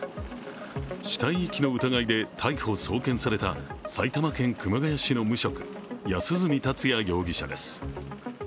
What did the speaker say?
死体遺棄の疑いで逮捕・送検された埼玉県熊谷市の無職、安栖達也容疑者です。